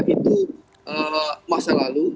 itu masa lalu